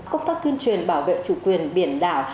công tác tuyên truyền bảo vệ chủ quyền biển đảo